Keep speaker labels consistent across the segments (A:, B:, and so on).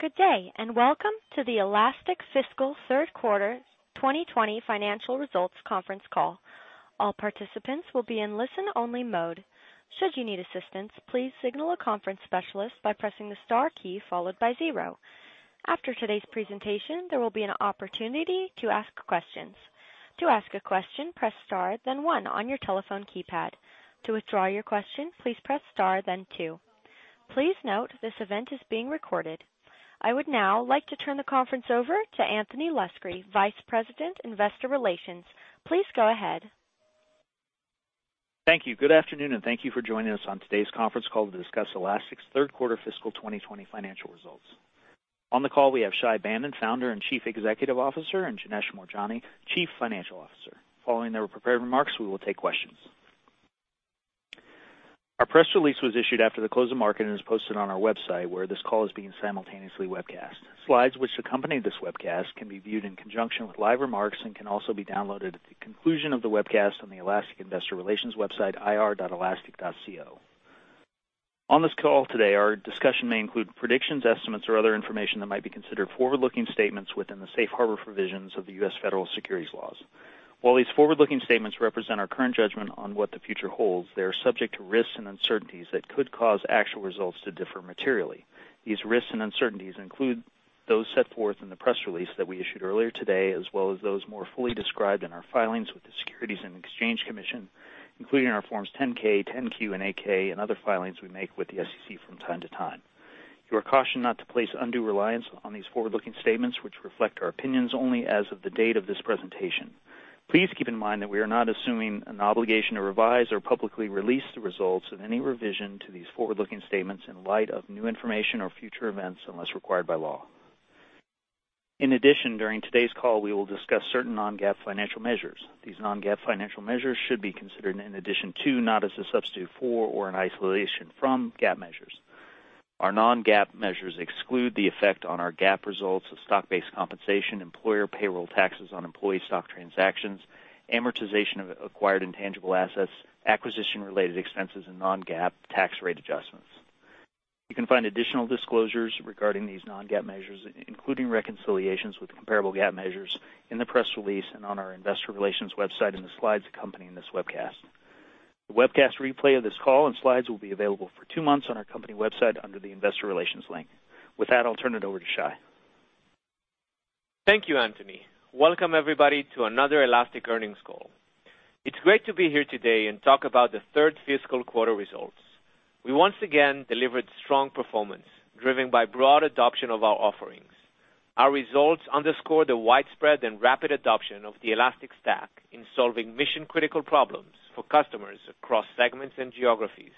A: Good day, and welcome to the Elastic fiscal third quarter 2020 financial results conference call. All participants will be in listen-only mode. Should you need assistance, please signal a conference specialist by pressing the star key followed by zero. After today's presentation, there will be an opportunity to ask questions. To ask a question, press star, then one on your telephone keypad. To withdraw your question, please press star, then two. Please note this event is being recorded. I would now like to turn the conference over to Anthony Luscri, Vice President, Investor Relations. Please go ahead.
B: Thank you. Good afternoon, and thank you for joining us on today's conference call to discuss Elastic's third quarter fiscal 2020 financial results. On the call, we have Shay Banon, Founder and Chief Executive Officer, and Janesh Moorjani, Chief Financial Officer. Following their prepared remarks, we will take questions. Our press release was issued after the close of market and is posted on our website, where this call is being simultaneously webcast. Slides which accompany this webcast can be viewed in conjunction with live remarks and can also be downloaded at the conclusion of the webcast on the Elastic investor relations website, ir.elastic.co. On this call today, our discussion may include predictions, estimates, or other information that might be considered forward-looking statements within the safe harbor provisions of the U.S. Federal Securities laws. While these forward-looking statements represent our current judgment on what the future holds. They are subject to risks and uncertainties that could cause actual results to differ materially. These risks and uncertainties include those set forth in the press release that we issued earlier today, as well as those more fully described in our filings with the Securities and Exchange Commission, including our forms 10-K, 10-Q, and 8-K, and other filings we make with the SEC from time to time. You are cautioned not to place undue reliance on these forward-looking statements, which reflect our opinions only as of the date of this presentation. Please keep in mind that we are not assuming an obligation to revise or publicly release the results of any revision to these forward-looking statements in light of new information or future events, unless required by law. In addition, during today's call, we will discuss certain non-GAAP financial measures. These non-GAAP financial measures should be considered in addition to, not as a substitute for or an isolation from, GAAP measures. Our non-GAAP measures exclude the effect on our GAAP results of stock-based compensation, employer payroll taxes on employee stock transactions, amortization of acquired intangible assets, acquisition-related expenses, and non-GAAP tax rate adjustments. You can find additional disclosures regarding these non-GAAP measures, including reconciliations with comparable GAAP measures, in the press release and on our Investor Relations website in the slides accompanying this webcast. The webcast replay of this call and slides will be available for two months on our company website under the Investor Relations link. With that, I'll turn it over to Shay.
C: Thank you, Anthony. Welcome everybody to another Elastic earnings call. It's great to be here today and talk about the third fiscal quarter results. We once again delivered strong performance, driven by broad adoption of our offerings. Our results underscore the widespread and rapid adoption of the Elastic Stack in solving mission-critical problems for customers across segments and geographies.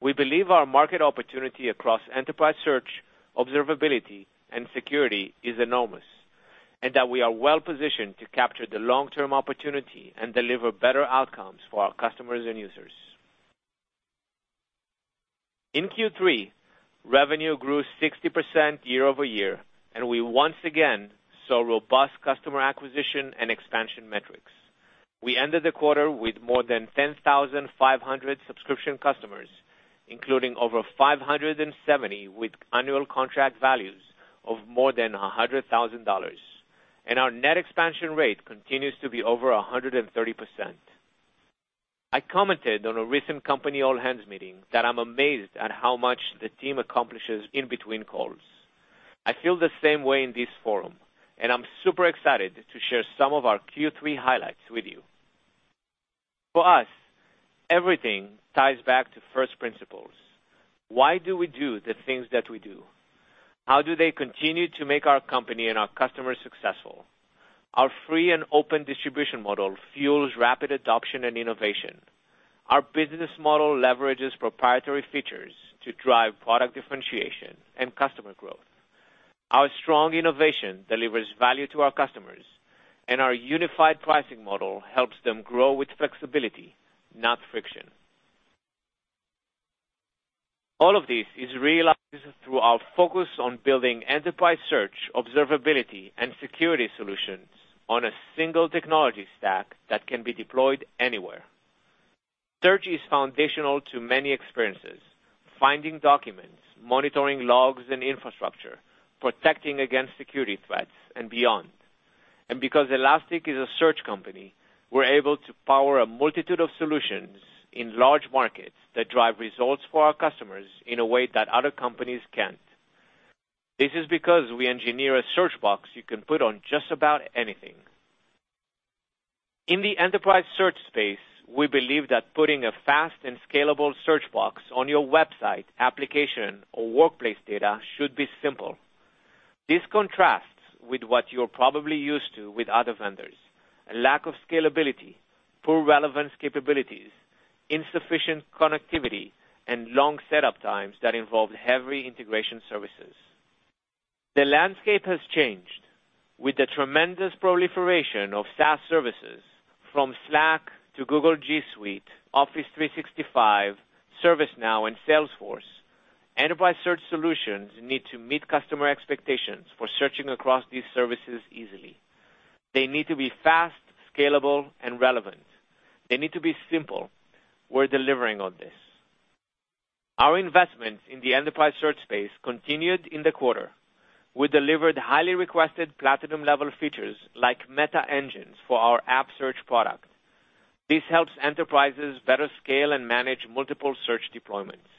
C: We believe our market opportunity across enterprise search, observability, and security is enormous, and that we are well-positioned to capture the long-term opportunity and deliver better outcomes for our customers and users. In Q3, revenue grew 60% year-over-year, and we once again saw robust customer acquisition and expansion metrics. We ended the quarter with more than 10,500 subscription customers, including over 570 with annual contract values of more than $100,000. Our net expansion rate continues to be over 130%. I commented on a recent company all-hands meeting that I'm amazed at how much the team accomplishes in between calls. I feel the same way in this forum, and I'm super excited to share some of our Q3 highlights with you. For us, everything ties back to first principles. Why do we do the things that we do? How do they continue to make our company and our customers successful? Our free and open distribution model fuels rapid adoption and innovation. Our business model leverages proprietary features to drive product differentiation and customer growth. Our strong innovation delivers value to our customers, and our unified pricing model helps them grow with flexibility, not friction. All of this is realized through our focus on building enterprise search, observability, and security solutions on a single technology stack that can be deployed anywhere. Search is foundational to many experiences, finding documents, monitoring logs and infrastructure, protecting against security threats, and beyond. Because Elastic is a search company, we're able to power a multitude of solutions in large markets that drive results for our customers in a way that other companies can't. This is because we engineer a search box you can put on just about anything. In the enterprise search space, we believe that putting a fast and scalable search box on your website, application, or workplace data should be simple. This contrasts with what you're probably used to with other vendors, a lack of scalability, poor relevance capabilities, insufficient connectivity, and long setup times that involve heavy integration services. The landscape has changed with the tremendous proliferation of SaaS services from Slack to Google G Suite, Office 365, ServiceNow, and Salesforce. Enterprise search solutions need to meet customer expectations for searching across these services easily. They need to be fast, scalable, and relevant. They need to be simple. We're delivering on this. Our investments in the enterprise search space continued in the quarter. We delivered highly requested platinum-level features like Meta Engines for our App Search product. This helps enterprises better scale and manage multiple search deployments.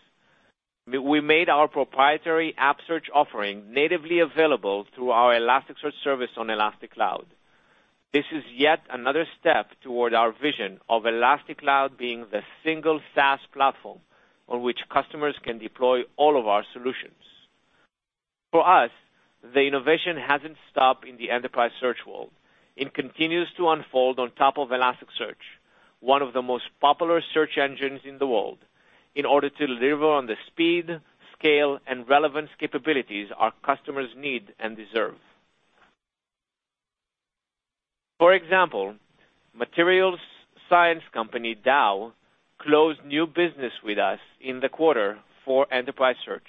C: We made our proprietary App Search offering natively available through our Elasticsearch service on Elastic Cloud. This is yet another step toward our vision of Elastic Cloud being the single SaaS platform on which customers can deploy all of our solutions. For us, the innovation hasn't stopped in the enterprise search world. It continues to unfold on top of Elasticsearch, one of the most popular search engines in the world, in order to deliver on the speed, scale, and relevance capabilities our customers need and deserve. For example, materials science company, Dow, closed new business with us in the quarter for enterprise search.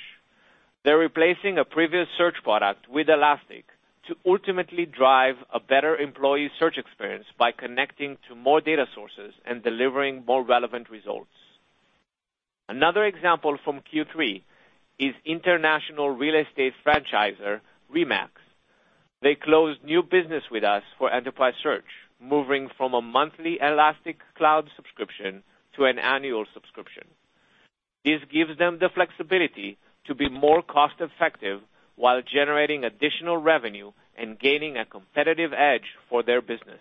C: They're replacing a previous search product with Elastic to ultimately drive a better employee search experience by connecting to more data sources and delivering more relevant results. Another example from Q3 is international real estate franchisor, RE/MAX. They closed new business with us for enterprise search, moving from a monthly Elastic Cloud subscription to an annual subscription. This gives them the flexibility to be more cost-effective while generating additional revenue and gaining a competitive edge for their business.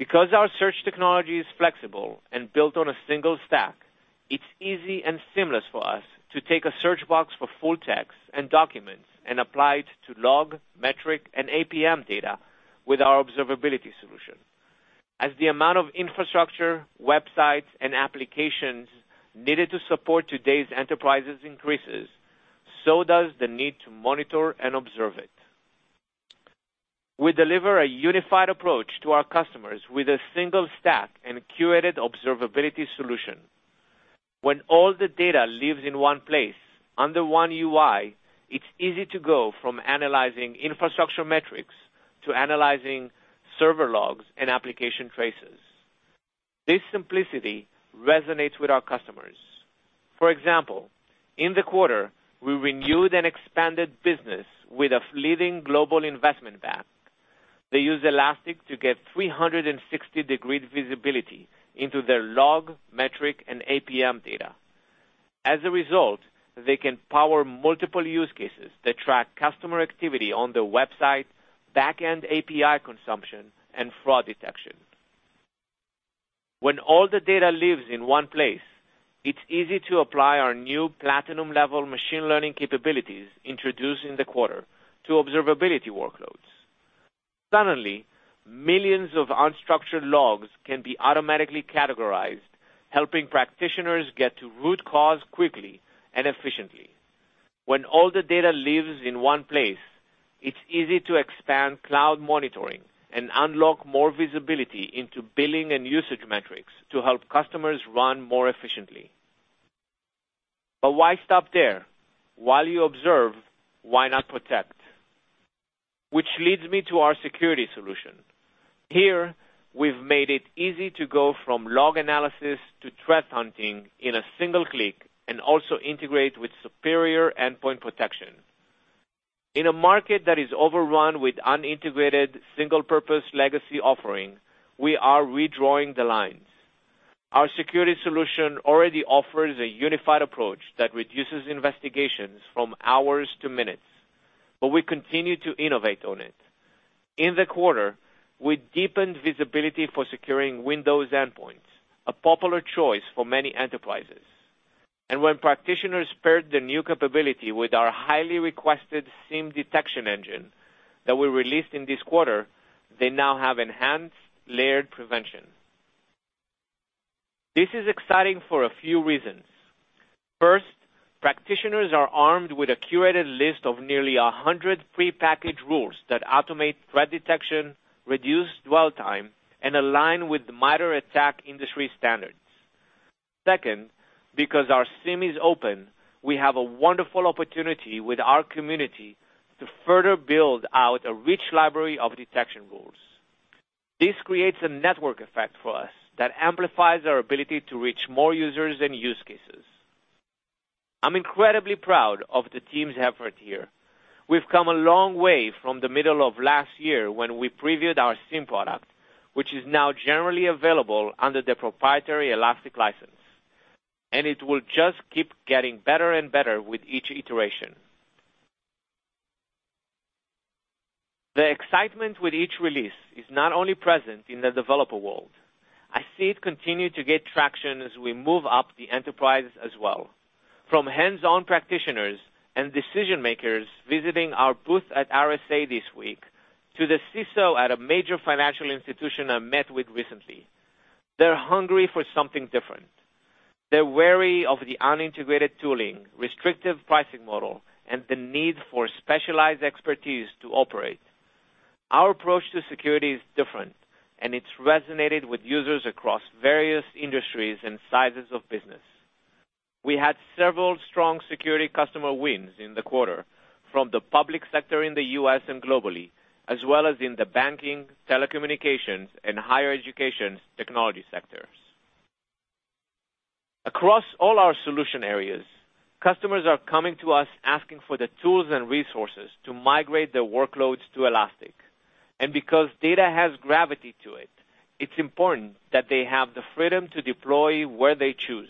C: Because our search technology is flexible and built on a single stack, it's easy and seamless for us to take a search box for full text and documents and apply it to log, metric, and APM data with our observability solution. As the amount of infrastructure, websites, and applications needed to support today's enterprises increases, so does the need to monitor and observe it. We deliver a unified approach to our customers with a single stack and a curated observability solution. When all the data lives in one place, under one UI, it's easy to go from analyzing infrastructure metrics to analyzing server logs and application traces. This simplicity resonates with our customers. For example, in the quarter, we renewed an expanded business with a leading global investment bank. They use Elastic to get 360-degree visibility into their log, metric, and APM data. As a result, they can power multiple use cases that track customer activity on the website, back-end API consumption, and fraud detection. When all the data lives in one place, it's easy to apply our new platinum-level machine learning capabilities introduced in the quarter to observability workloads. Suddenly, millions of unstructured logs can be automatically categorized, helping practitioners get to root cause quickly and efficiently. When all the data lives in one place, it's easy to expand cloud monitoring and unlock more visibility into billing and usage metrics to help customers run more efficiently. Why stop there? While you observe, why not protect? Which leads me to our security solution. Here, we've made it easy to go from log analysis to threat hunting in a single click and also integrate with superior endpoint protection. In a market that is overrun with unintegrated, single-purpose legacy offerings, we are redrawing the lines. Our security solution already offers a unified approach that reduces investigations from hours to minutes, but we continue to innovate on it. In the quarter, we deepened visibility for securing Windows endpoints, a popular choice for many enterprises. When practitioners paired the new capability with our highly requested SIEM detection engine that we released in this quarter, they now have enhanced layered prevention. This is exciting for a few reasons. First, practitioners are armed with a curated list of nearly 100 prepackaged rules that automate threat detection, reduce dwell time, and align with MITRE ATT&CK industry standards. Second, because our SIEM is open, we have a wonderful opportunity with our community to further build out a rich library of detection rules. This creates a network effect for us that amplifies our ability to reach more users and use cases. I'm incredibly proud of the team's effort here. We've come a long way from the middle of last year when we previewed our SIEM product, which is now generally available under the proprietary Elastic License, and it will just keep getting better and better with each iteration. The excitement with each release is not only present in the developer world. I see it continue to get traction as we move up the enterprise as well. From hands-on practitioners and decision-makers visiting our booth at RSA this week, to the CISO at a major financial institution I met with recently. They're hungry for something different. They're wary of the unintegrated tooling, restrictive pricing model, and the need for specialized expertise to operate. Our approach to security is different, and it's resonated with users across various industries and sizes of business. We had several strong security customer wins in the quarter from the public sector in the U.S. and globally, as well as in the banking, telecommunications, and higher education technology sectors. Across all our solution areas, customers are coming to us asking for the tools and resources to migrate their workloads to Elastic. Because data has gravity to it's important that they have the freedom to deploy where they choose,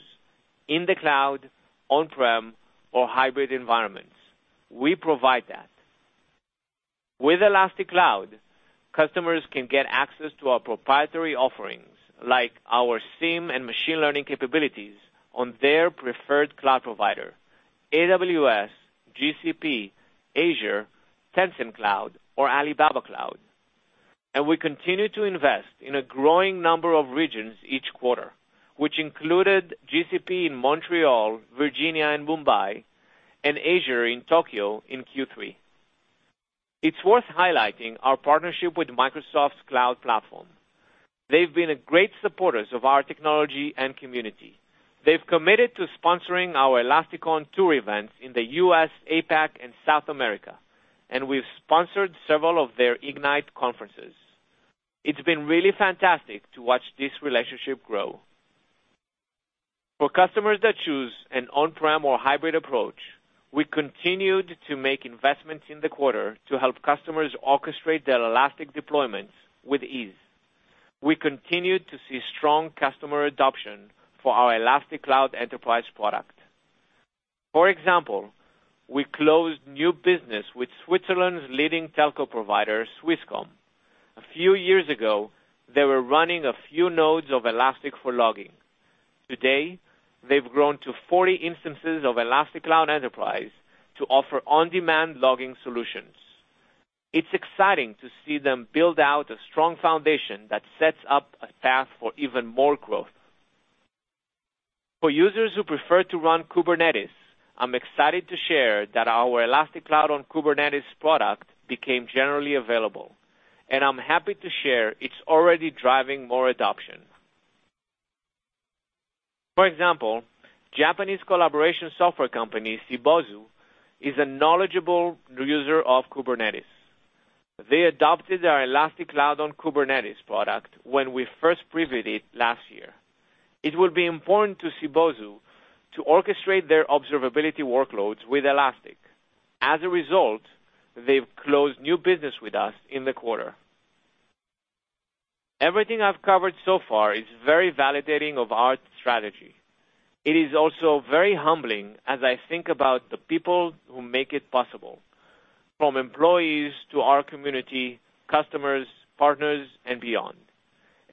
C: in the cloud, on-prem, or hybrid environments. We provide that. With Elastic Cloud, customers can get access to our proprietary offerings, like our SIEM and machine learning capabilities, on their preferred cloud provider, AWS, GCP, Azure, Tencent Cloud, or Alibaba Cloud. We continue to invest in a growing number of regions each quarter, which included GCP in Montreal, Virginia, and Mumbai, and Azure in Tokyo in Q3. It's worth highlighting our partnership with Microsoft's Cloud Platform. They've been great supporters of our technology and community. They've committed to sponsoring our ElasticON tour events in the U.S., APAC, and South America, and we've sponsored several of their Ignite conferences. It's been really fantastic to watch this relationship grow. For customers that choose an on-prem or hybrid approach, we continued to make investments in the quarter to help customers orchestrate their Elastic deployments with ease. We continued to see strong customer adoption for our Elastic Cloud Enterprise product. We closed new business with Switzerland's leading telco provider, Swisscom. A few years ago, they were running a few nodes of Elastic for logging. Today, they've grown to 40 instances of Elastic Cloud Enterprise to offer on-demand logging solutions. It's exciting to see them build out a strong foundation that sets up a path for even more growth. For users who prefer to run Kubernetes, I'm excited to share that our Elastic Cloud on Kubernetes product became generally available, and I'm happy to share it's already driving more adoption. Japanese collaboration software company, Cybozu, is a knowledgeable user of Kubernetes. They adopted our Elastic Cloud on Kubernetes product when we first previewed it last year. It will be important to Cybozu to orchestrate their observability workloads with Elastic. As a result, they've closed new business with us in the quarter. Everything I've covered so far is very validating of our strategy. It is also very humbling as I think about the people who make it possible, from employees to our community, customers, partners, and beyond.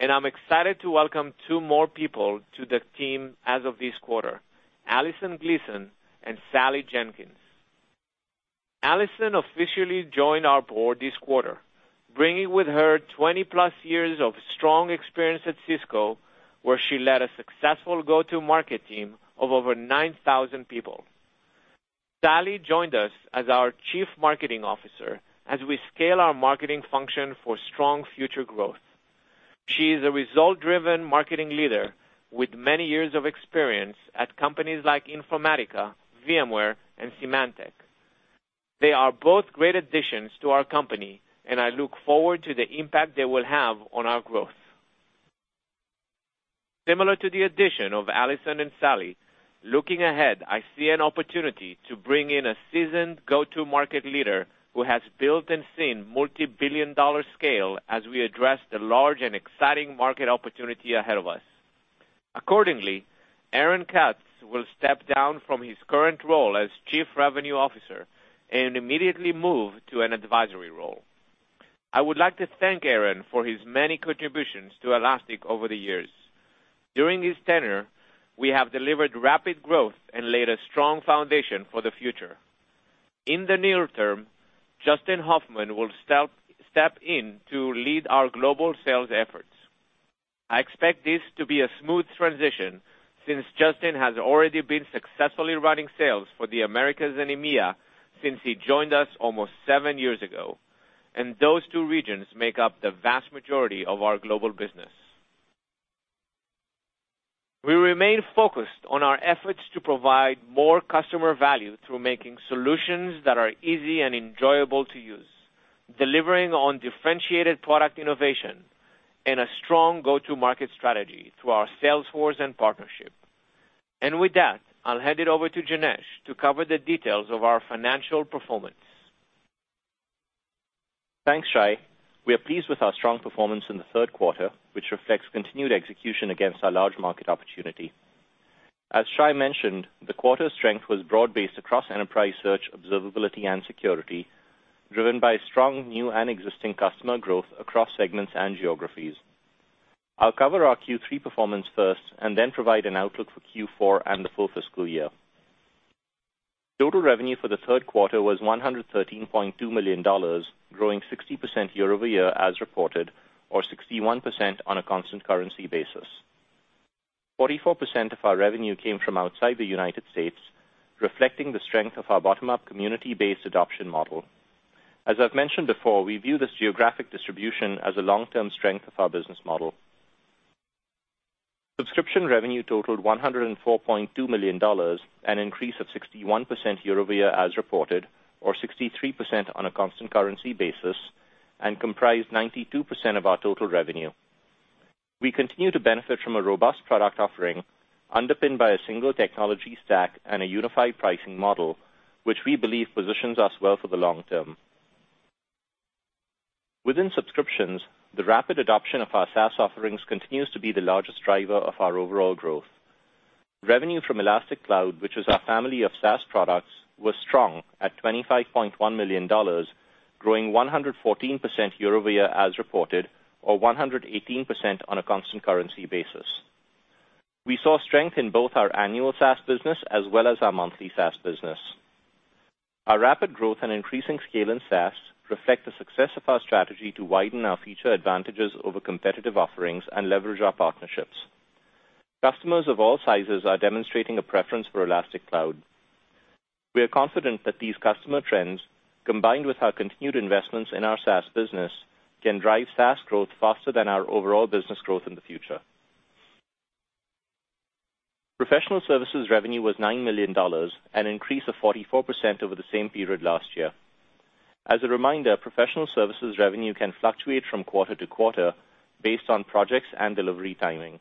C: I'm excited to welcome two more people to the team as of this quarter, Alison Gleeson and Sally Jenkins. Alison officially joined our board this quarter, bringing with her 20 years+ of strong experience at Cisco, where she led a successful go-to-market team of over 9,000 people. Sally joined us as our Chief Marketing Officer as we scale our marketing function for strong future growth. She is a result-driven marketing leader with many years of experience at companies like Informatica, VMware, and Symantec. They are both great additions to our company, and I look forward to the impact they will have on our growth. Similar to the addition of Alison and Sally, looking ahead, I see an opportunity to bring in a seasoned go-to-market leader who has built and seen multi-billion dollar scale as we address the large and exciting market opportunity ahead of us. Accordingly, Aaron Katz will step down from his current role as Chief Revenue Officer and immediately move to an advisory role. I would like to thank Aaron for his many contributions to Elastic over the years. During his tenure, we have delivered rapid growth and laid a strong foundation for the future. In the near term, Justin Hoffman will step in to lead our global sales efforts. I expect this to be a smooth transition since Justin has already been successfully running sales for the Americas and EMEA since he joined us almost seven years ago. Those two regions make up the vast majority of our global business. We remain focused on our efforts to provide more customer value through making solutions that are easy and enjoyable to use, delivering on differentiated product innovation and a strong go-to-market strategy through our sales force and partnership. With that, I'll hand it over to Janesh to cover the details of our financial performance.
D: Thanks, Shay. We are pleased with our strong performance in the third quarter, which reflects continued execution against our large market opportunity. As Shay mentioned, the quarter's strength was broad-based across enterprise search, observability, and security, driven by strong new and existing customer growth across segments and geographies. I'll cover our Q3 performance first and then provide an outlook for Q4 and the full fiscal year. Total revenue for the third quarter was $113.2 million, growing 60% year-over-year as reported, or 61% on a constant currency basis. 44% of our revenue came from outside the United States, reflecting the strength of our bottom-up community-based adoption model. As I've mentioned before, we view this geographic distribution as a long-term strength of our business model. Subscription revenue totaled $104.2 million, an increase of 61% year-over-year as reported, or 63% on a constant currency basis, and comprised 92% of our total revenue. We continue to benefit from a robust product offering underpinned by a single technology stack and a unified pricing model, which we believe positions us well for the long term. Within subscriptions, the rapid adoption of our SaaS offerings continues to be the largest driver of our overall growth. Revenue from Elastic Cloud, which is our family of SaaS products, was strong at $25.1 million, growing 114% year-over-year as reported, or 118% on a constant currency basis. We saw strength in both our annual SaaS business as well as our monthly SaaS business. Our rapid growth and increasing scale in SaaS reflect the success of our strategy to widen our feature advantages over competitive offerings and leverage our partnerships. Customers of all sizes are demonstrating a preference for Elastic Cloud. We are confident that these customer trends, combined with our continued investments in our SaaS business, can drive SaaS growth faster than our overall business growth in the future. Professional services revenue was $9 million, an increase of 44% over the same period last year. As a reminder, professional services revenue can fluctuate from quarter to quarter based on projects and delivery timing.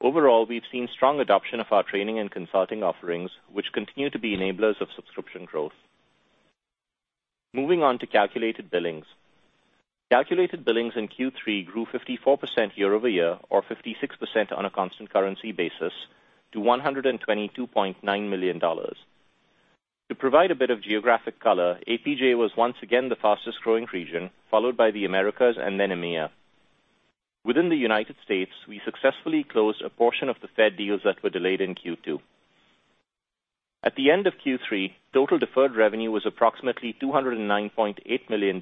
D: Overall, we've seen strong adoption of our training and consulting offerings, which continue to be enablers of subscription growth. Moving on to calculated billings. Calculated billings in Q3 grew 54% year-over-year, or 56% on a constant currency basis, to $122.9 million. To provide a bit of geographic color, APJ was once again the fastest-growing region, followed by the Americas and then EMEA. Within the U.S., we successfully closed a portion of the Fed deals that were delayed in Q2. At the end of Q3, total deferred revenue was approximately $209.8 million,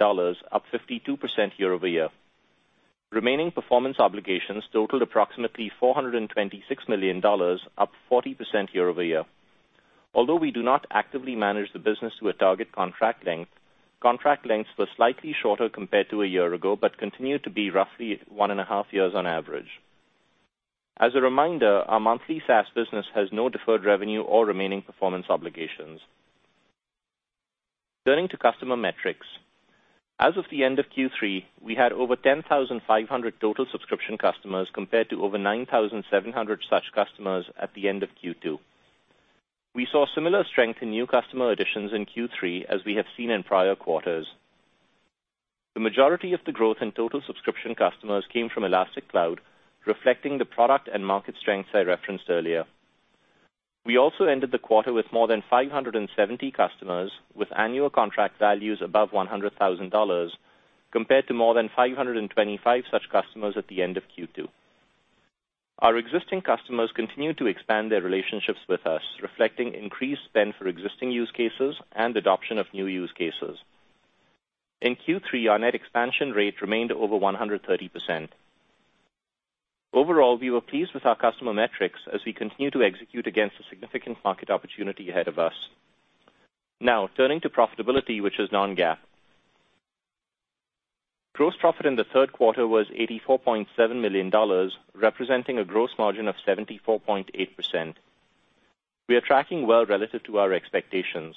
D: up 52% year-over-year. Remaining performance obligations totaled approximately $426 million, up 40% year-over-year. We do not actively manage the business to a target contract length, contract lengths were slightly shorter compared to a year ago, but continue to be roughly one and a half years on average. As a reminder, our monthly SaaS business has no deferred revenue or remaining performance obligations. Turning to customer metrics. As of the end of Q3, we had over 10,500 total subscription customers, compared to over 9,700 such customers at the end of Q2. We saw similar strength in new customer additions in Q3 as we have seen in prior quarters. The majority of the growth in total subscription customers came from Elastic Cloud, reflecting the product and market strengths I referenced earlier. We also ended the quarter with more than 570 customers with annual contract values above $100,000, compared to more than 525 such customers at the end of Q2. Our existing customers continue to expand their relationships with us, reflecting increased spend for existing use cases and adoption of new use cases. In Q3, our net expansion rate remained over 130%. Overall, we were pleased with our customer metrics as we continue to execute against a significant market opportunity ahead of us. Now, turning to profitability, which is non-GAAP. Gross profit in the third quarter was $84.7 million, representing a gross margin of 74.8%. We are tracking well relative to our expectations.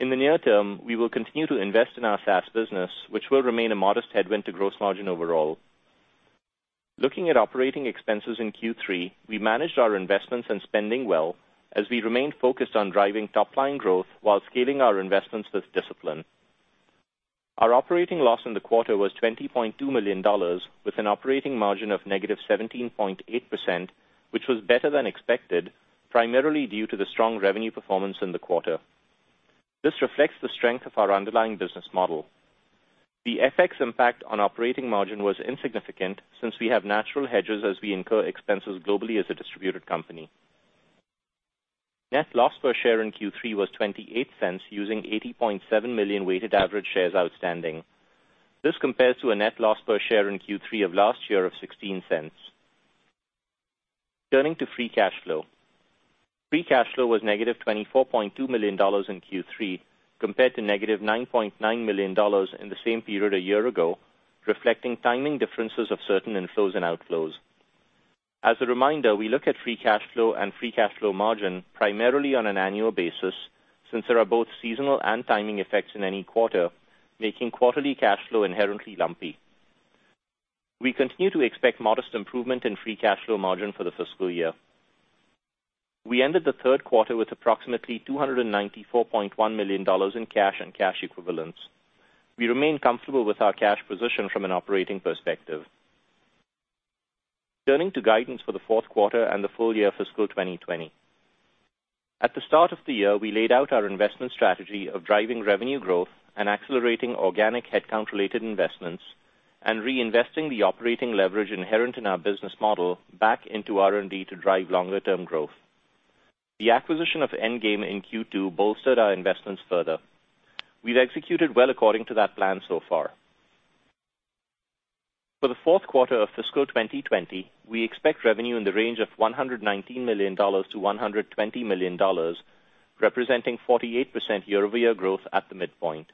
D: In the near term, we will continue to invest in our SaaS business, which will remain a modest headwind to gross margin overall. Looking at operating expenses in Q3, we managed our investments and spending well as we remained focused on driving top-line growth while scaling our investments with discipline. Our operating loss in the quarter was $20.2 million, with an operating margin of -17.8%, which was better than expected, primarily due to the strong revenue performance in the quarter. This reflects the strength of our underlying business model. The FX impact on operating margin was insignificant since we have natural hedges as we incur expenses globally as a distributed company. Net loss per share in Q3 was $0.28, using 80.7 million weighted average shares outstanding. This compares to a net loss per share in Q3 of last year of $0.16. Turning to free cash flow. Free cash flow was -$24.2 million in Q3 compared to -$9.9 million in the same period a year ago, reflecting timing differences of certain inflows and outflows. As a reminder, we look at free cash flow and free cash flow margin primarily on an annual basis since there are both seasonal and timing effects in any quarter, making quarterly cash flow inherently lumpy. We continue to expect modest improvement in free cash flow margin for the fiscal year. We ended the third quarter with approximately $294.1 million in cash and cash equivalents. We remain comfortable with our cash position from an operating perspective. Turning to guidance for the fourth quarter and the full year fiscal 2020. At the start of the year, we laid out our investment strategy of driving revenue growth and accelerating organic headcount-related investments and reinvesting the operating leverage inherent in our business model back into R&D to drive longer-term growth. The acquisition of Endgame in Q2 bolstered our investments further. We've executed well according to that plan so far. For the fourth quarter of fiscal 2020, we expect revenue in the range of $119 million-$120 million, representing 48% year-over-year growth at the midpoint.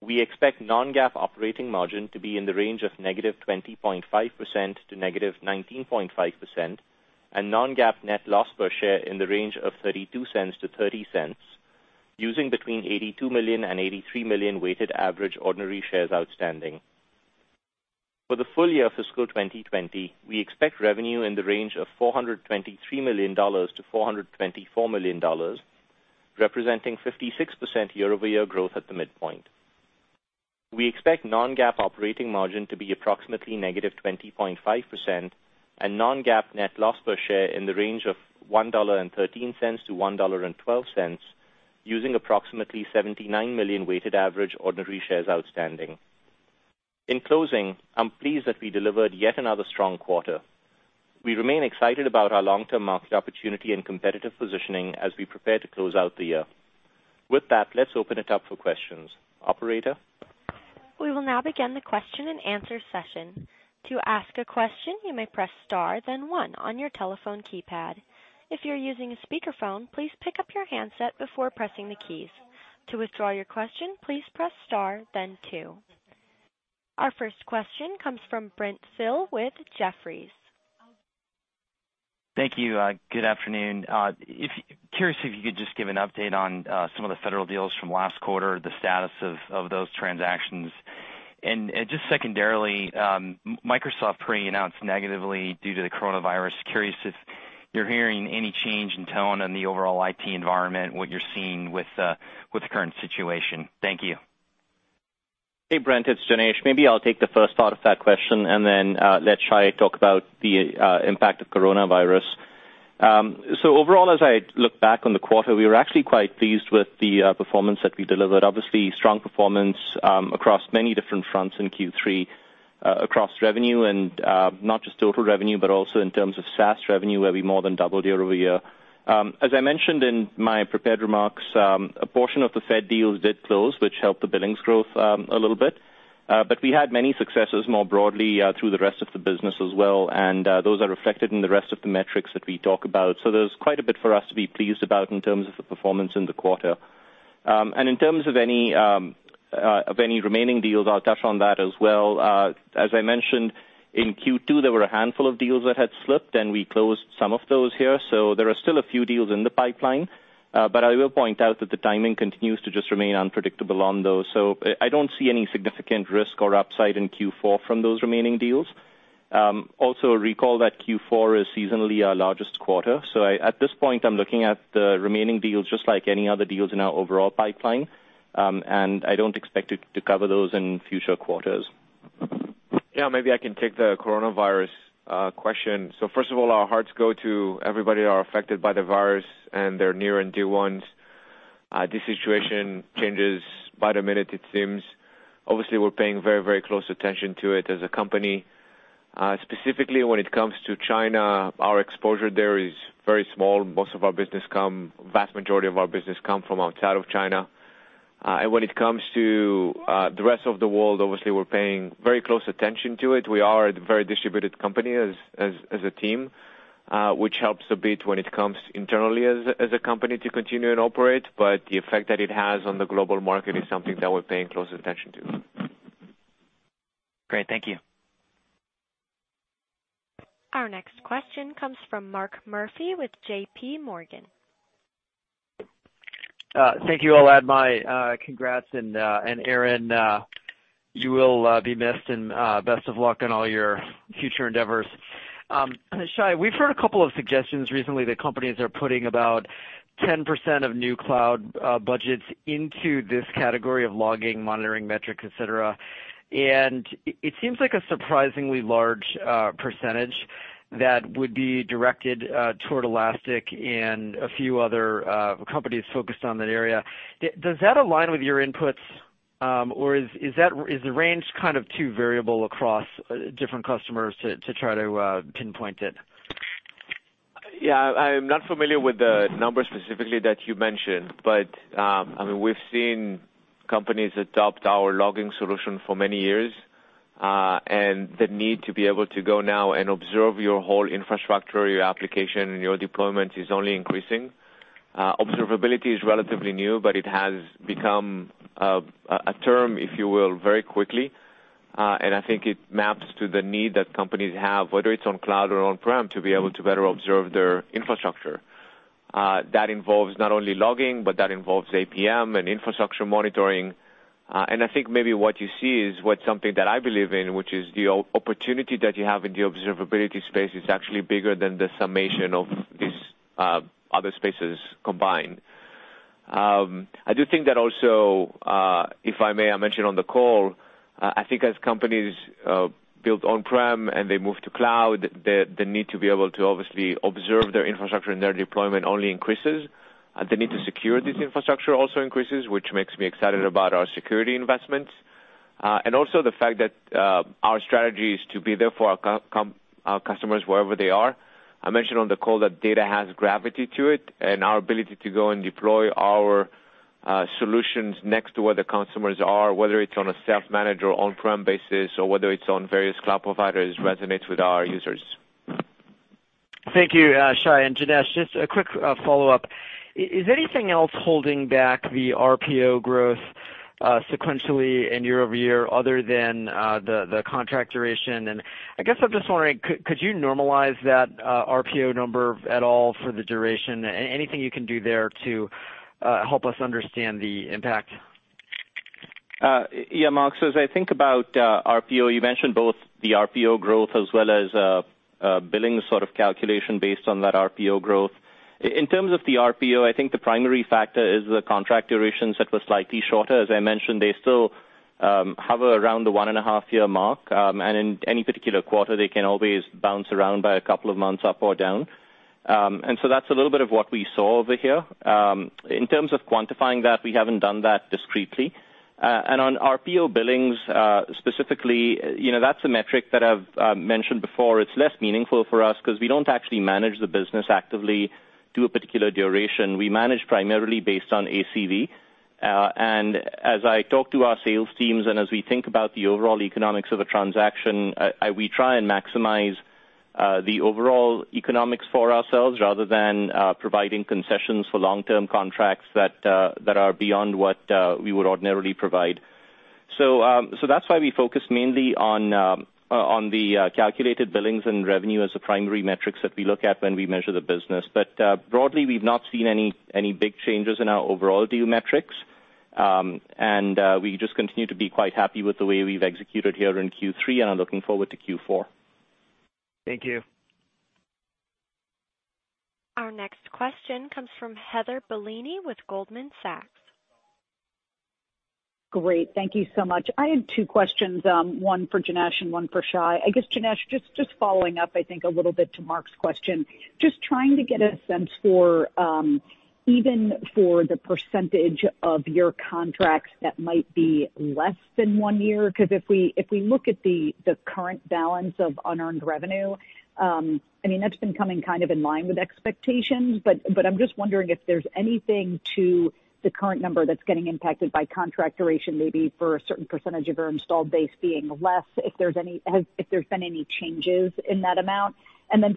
D: We expect non-GAAP operating margin to be in the range of -20.5% to -19.5%, and non-GAAP net loss per share in the range of $0.32-$0.30, using between 82 million and 83 million weighted average ordinary shares outstanding. For the full year of fiscal 2020, we expect revenue in the range of $423 million-$424 million, representing 56% year-over-year growth at the midpoint. We expect non-GAAP operating margin to be approximately -20.5%, and non-GAAP net loss per share in the range of $1.13-$1.12, using approximately 79 million weighted average ordinary shares outstanding. In closing, I'm pleased that we delivered yet another strong quarter. We remain excited about our long-term market opportunity and competitive positioning as we prepare to close out the year. With that, let's open it up for questions. Operator?
A: We will now begin the question-and-answer session. To ask a question, you may press star then one on your telephone keypad. If you're using a speakerphone, please pick up your handset before pressing the keys. To withdraw your question, please press star then two. Our first question comes from Brent Thill with Jefferies.
E: Thank you. Good afternoon. Curious if you could just give an update on some of the federal deals from last quarter, the status of those transactions. Just secondarily, Microsoft pre-announced negatively due to the coronavirus. Curious if you're hearing any change in tone in the overall IT environment, what you're seeing with the current situation. Thank you.
D: Hey, Brent, it's Janesh. Maybe I'll take the first part of that question and then let Shay talk about the impact of coronavirus. Overall, as I look back on the quarter, we were actually quite pleased with the performance that we delivered. Obviously, strong performance across many different fronts in Q3, across revenue, and not just total revenue, but also in terms of SaaS revenue, where we more than doubled year-over-year. As I mentioned in my prepared remarks, a portion of the Fed deals did close, which helped the billings growth a little bit. We had many successes more broadly through the rest of the business as well, and those are reflected in the rest of the metrics that we talk about. There's quite a bit for us to be pleased about in terms of the performance in the quarter. In terms of any remaining deals, I'll touch on that as well. As I mentioned in Q2, there were a handful of deals that had slipped, and we closed some of those here. There are still a few deals in the pipeline. I will point out that the timing continues to just remain unpredictable on those. I don't see any significant risk or upside in Q4 from those remaining deals. Also, recall that Q4 is seasonally our largest quarter. At this point, I'm looking at the remaining deals just like any other deals in our overall pipeline, and I don't expect to cover those in future quarters.
C: Yeah maybe I can take that coronavirus question. First of all, our hearts go to everybody who are affected by the virus and their near and dear ones. This situation changes by the minute, it seems. Obviously, we're paying very close attention to it as a company. Specifically, when it comes to China, our exposure there is very small. Vast majority of our business come from outside of China. When it comes to the rest of the world, obviously, we're paying very close attention to it. We are a very distributed company as a team, which helps a bit when it comes internally as a company to continue and operate, but the effect that it has on the global market is something that we're paying close attention to.
E: Great. Thank you.
A: Our next question comes from Mark Murphy with JPMorgan.
F: Thank you. I'll add my congrats. Aaron, you will be missed, and best of luck on all your future endeavors. Shay, we've heard a couple of suggestions recently that companies are putting about 10% of new cloud budgets into this category of logging, monitoring, metric, et cetera. It seems like a surprisingly large percentage that would be directed toward Elastic and a few other companies focused on that area. Does that align with your inputs, or is the range kind of too variable across different customers to try to pinpoint it?
C: Yeah, I'm not familiar with the number specifically that you mentioned, but we've seen companies adopt our logging solution for many years. The need to be able to go now and observe your whole infrastructure, your application, and your deployment is only increasing. Observability is relatively new, but it has become a term, if you will, very quickly. I think it maps to the need that companies have, whether it's on cloud or on-prem, to be able to better observe their infrastructure. That involves not only logging, but that involves APM and infrastructure monitoring. I think maybe what you see is what something that I believe in, which is the opportunity that you have in the observability space is actually bigger than the summation of these other spaces combined. I do think that also, if I may, I mentioned on the call, I think as companies build on-prem and they move to cloud, the need to be able to obviously observe their infrastructure and their deployment only increases. The need to secure this infrastructure also increases, which makes me excited about our security investments. Also the fact that our strategy is to be there for our customers wherever they are. I mentioned on the call that data has gravity to it, and our ability to go and deploy our. Solutions next to where the consumers are, whether it's on a self-managed or on-prem basis or whether it's on various cloud providers, resonates with our users.
F: Thank you, Shay and Janesh. Just a quick follow-up. Is anything else holding back the RPO growth sequentially and year-over-year other than the contract duration? I guess I'm just wondering, could you normalize that RPO number at all for the duration? Anything you can do there to help us understand the impact.
D: Mark. As I think about RPO, you mentioned both the RPO growth as well as billing sort of calculation based on that RPO growth. In terms of the RPO, I think the primary factor is the contract durations that were slightly shorter. As I mentioned, they still hover around the one and a half year mark. In any particular quarter, they can always bounce around by a couple of months, up or down. That's a little bit of what we saw over here. In terms of quantifying that, we haven't done that discretely. On RPO billings specifically, that's a metric that I've mentioned before. It's less meaningful for us because we don't actually manage the business actively to a particular duration. We manage primarily based on ACV. As I talk to our sales teams and as we think about the overall economics of a transaction, we try and maximize the overall economics for ourselves, rather than providing concessions for long-term contracts that are beyond what we would ordinarily provide. That's why we focus mainly on the calculated billings and revenue as the primary metrics that we look at when we measure the business. Broadly, we've not seen any big changes in our overall deal metrics. We just continue to be quite happy with the way we've executed here in Q3, and are looking forward to Q4.
F: Thank you.
A: Our next question comes from Heather Bellini with Goldman Sachs.
G: Great. Thank you so much. I have two questions, one for Janesh and one for Shay. I guess, Janesh, just following up, I think a little bit to Mark's question. Just trying to get a sense for even for the percentage of your contracts that might be less than one year. If we look at the current balance of unearned revenue, that's been coming kind of in line with expectations. I'm just wondering if there's anything to the current number that's getting impacted by contract duration, maybe for a certain percentage of your installed base being less, if there's been any changes in that amount.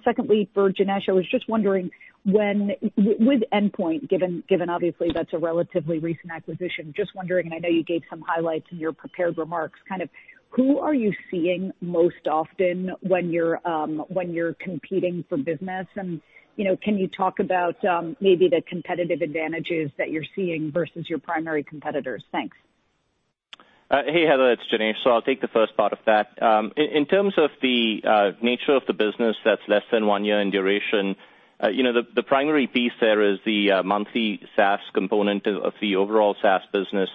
G: Secondly, for Janesh, I was just wondering with Endpoint, given obviously that's a relatively recent acquisition, just wondering, and I know you gave some highlights in your prepared remarks, kind of who are you seeing most often when you're competing for business? Can you talk about maybe the competitive advantages that you're seeing versus your primary competitors? Thanks.
D: Hey, Heather, it's Janesh. I'll take the first part of that. In terms of the nature of the business that's less than one year in duration, the primary piece there is the monthly SaaS component of the overall SaaS business.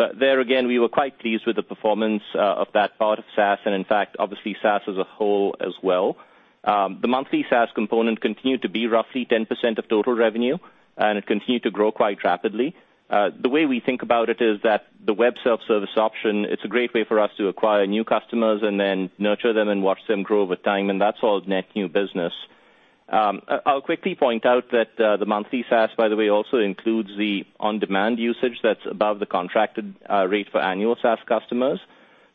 D: There again, we were quite pleased with the performance of that part of SaaS, and in fact, obviously SaaS as a whole as well. The monthly SaaS component continued to be roughly 10% of total revenue. It continued to grow quite rapidly. The way we think about it is that the web self-service option, it's a great way for us to acquire new customers and then nurture them and watch them grow over time, and that's all net new business. I'll quickly point out that the monthly SaaS, by the way, also includes the on-demand usage that's above the contracted rate for annual SaaS customers.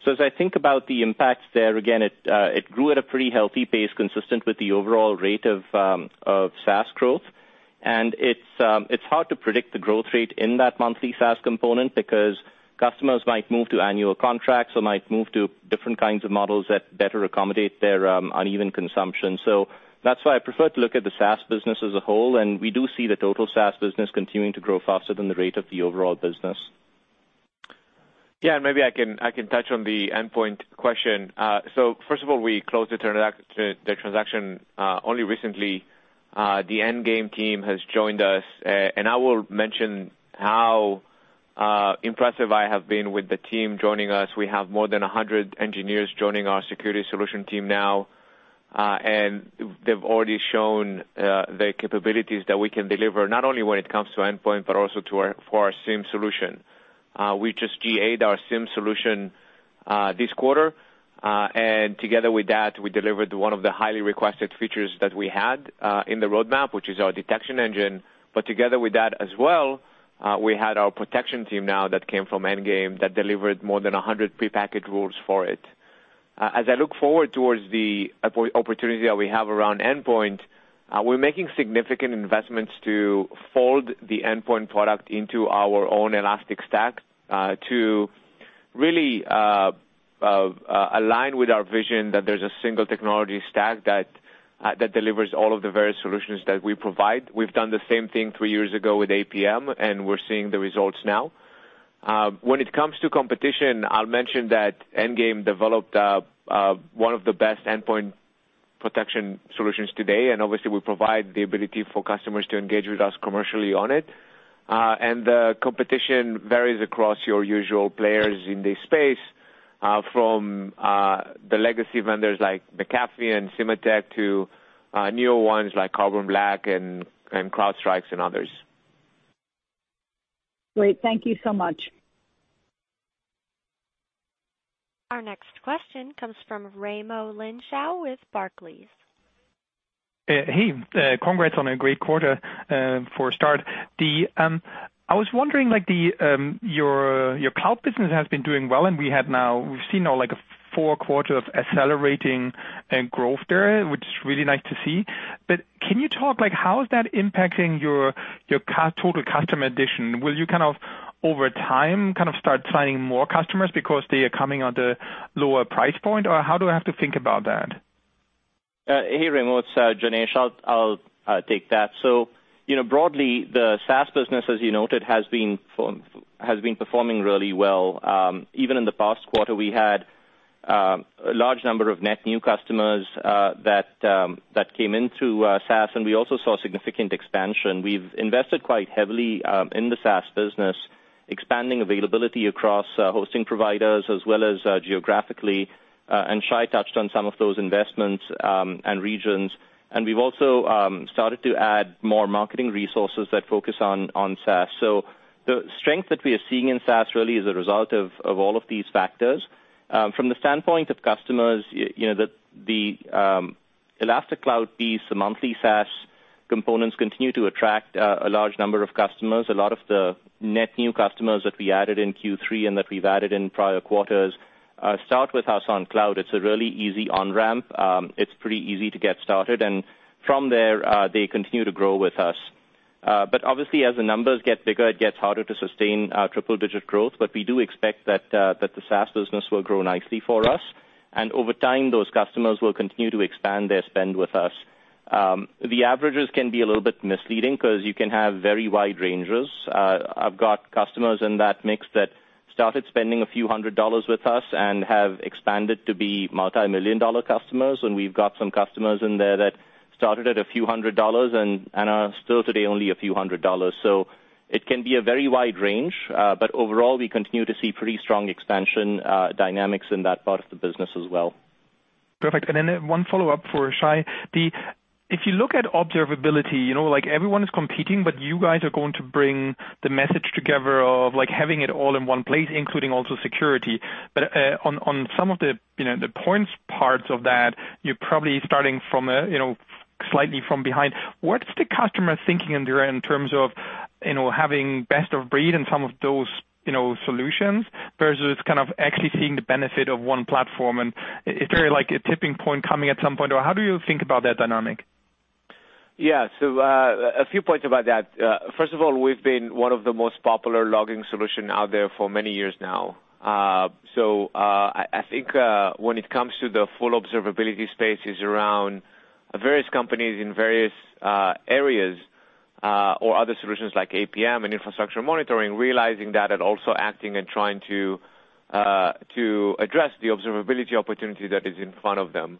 D: As I think about the impact there, again, it grew at a pretty healthy pace consistent with the overall rate of SaaS growth. It's hard to predict the growth rate in that monthly SaaS component because customers might move to annual contracts or might move to different kinds of models that better accommodate their uneven consumption. That's why I prefer to look at the SaaS business as a whole, and we do see the total SaaS business continuing to grow faster than the rate of the overall business.
C: Yeah, maybe I can touch on the Endpoint question. First of all, we closed the transaction only recently. The Endgame team has joined us, and I will mention how impressive I have been with the team joining us. We have more than 100 engineers joining our security solution team now. They've already shown the capabilities that we can deliver, not only when it comes to Endpoint, but also for our SIEM solution. We just GA'd our SIEM solution this quarter. Together with that, we delivered one of the highly requested features that we had in the roadmap, which is our detection engine. Together with that as well, we had our protection team now that came from Endgame that delivered more than 100 prepackaged rules for it. As I look forward towards the opportunity that we have around Endpoint, we're making significant investments to fold the Endpoint product into our own Elastic Stack to really align with our vision that there's a single technology stack that delivers all of the various solutions that we provide. We've done the same thing three years ago with APM. We're seeing the results now. When it comes to competition, I'll mention that Endgame developed one of the best endpoint protection solutions today. Obviously we provide the ability for customers to engage with us commercially on it. The competition varies across your usual players in this space, from the legacy vendors like McAfee and Symantec to newer ones like Carbon Black and CrowdStrike and others.
G: Great. Thank you so much.
A: Our next question comes from Raimo Lenschow with Barclays.
H: Hey, congrats on a great quarter for a start. I was wondering, your cloud business has been doing well, and we've seen now four quarters of accelerating growth there, which is really nice to see. Can you talk, how is that impacting your total customer addition? Will you over time start signing more customers because they are coming at a lower price point? How do I have to think about that?
D: Hey, Raimo. It's Janesh. I'll take that. Broadly, the SaaS business, as you noted, has been performing really well. Even in the past quarter, we had a large number of net new customers that came in through SaaS, and we also saw significant expansion. We've invested quite heavily in the SaaS business, expanding availability across hosting providers as well as geographically, and Shay touched on some of those investments and regions. We've also started to add more marketing resources that focus on SaaS. The strength that we are seeing in SaaS really is a result of all of these factors. From the standpoint of customers, the Elastic Cloud piece, the monthly SaaS components continue to attract a large number of customers. A lot of the net new customers that we added in Q3 and that we've added in prior quarters start with us on cloud. It's a really easy on-ramp. It's pretty easy to get started. From there, they continue to grow with us. Obviously as the numbers get bigger, it gets harder to sustain triple-digit growth. We do expect that the SaaS business will grow nicely for us. Over time, those customers will continue to expand their spend with us. The averages can be a little bit misleading because you can have very wide ranges. I've got customers in that mix that started spending a few hundred dollars with us and have expanded to be multimillion-dollar customers, and we've got some customers in there that started at a few hundred dollars and are still today only a few hundred dollars. It can be a very wide range. Overall, we continue to see pretty strong expansion dynamics in that part of the business as well.
H: Perfect. Then one follow-up for Shay. If you look at observability, everyone is competing, but you guys are going to bring the message together of having it all in one place, including also security. On some of the parts of that, you're probably starting slightly from behind. What's the customer thinking in terms of having best of breed in some of those solutions versus kind of actually seeing the benefit of one platform? Is there a tipping point coming at some point? How do you think about that dynamic?
C: Yeah. A few points about that. First of all, we've been one of the most popular logging solution out there for many years now. I think when it comes to the full observability space is around various companies in various areas or other solutions like APM and infrastructure monitoring, realizing that and also acting and trying to address the observability opportunity that is in front of them.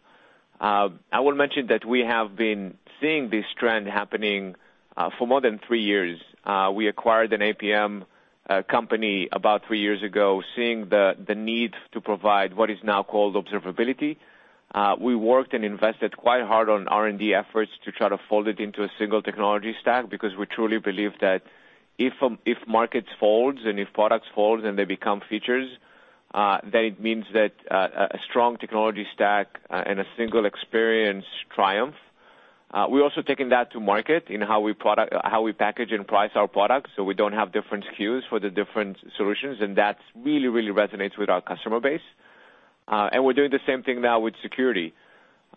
C: I will mention that we have been seeing this trend happening for more than three years. We acquired an APM company about three years ago, seeing the need to provide what is now called observability. We worked and invested quite hard on R&D efforts to try to fold it into a single technology stack, because we truly believe that if markets folds and if products folds and they become features, then it means that a strong technology stack and a single experience triumph. We're also taking that to market in how we package and price our products, so we don't have different SKUs for the different solutions, and that really resonates with our customer base. We're doing the same thing now with security.